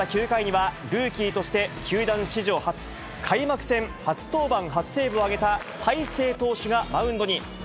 ９回には、ルーキーとして球団史上初、開幕戦初登板初セーブを挙げた、大勢投手がマウンドに。